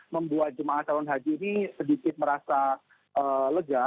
membuat jemaah calon haji ini sedikit merasa lega